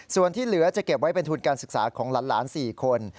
ส่วนที่เหลือจะเก็บไว้เป็นทุนการศึกษาของหลาน๔คน